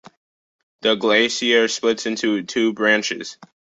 The glacier splits into two branches.